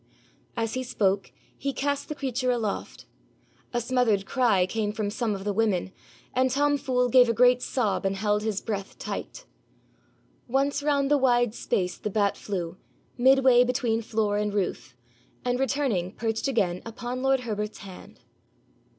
As he spoke he cast the creature aloft. A smothered cry came from some of the women, and Tom Fool gave a great sob and held his breath tight. Once round the wide space the bat flew, midway between floor and roof, and returning perched again upon lord Herbert's hand.